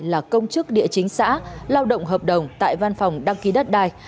là công chức địa chính xã lao động hợp đồng tại văn phòng đăng ký đất đai